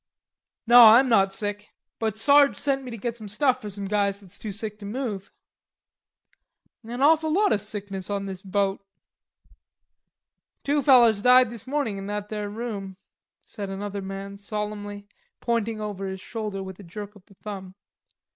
"Naw, I'm not sick; but Sarge sent me to get some stuff for some guys that's too sick to move." "An awful lot o' sickness on this boat." "Two fellers died this mornin' in that there room," said another man solemnly, pointing over his shoulder with a jerk of the thumb.